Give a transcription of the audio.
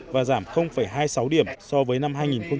và giảm hai mươi sáu điểm so với năm hai nghìn một mươi tám